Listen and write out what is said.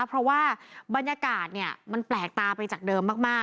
เพราะว่าบรรยากาศมันแปลกตาไปจากเดิมมาก